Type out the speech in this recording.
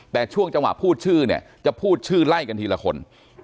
แต่ช่วงจังหวะพูดชื่อเนี่ยจะพูดชื่อไล่กันทีละคน